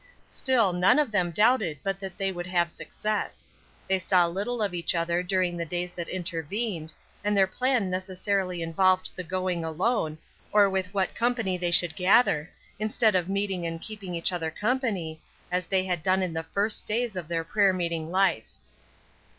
Still none of them doubted but that they would have success. They saw little of each other during the days that intervened, and their plan necessarily involved the going alone, or with what company they could gather, instead of meeting and keeping each other company, as they had done in the first days of their prayer meeting life.